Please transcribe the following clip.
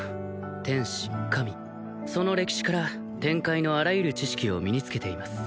天使神その歴史から天界のあらゆる知識を身につけています